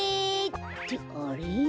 ってあれ？